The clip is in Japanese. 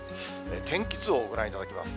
天気図をご覧いただきます。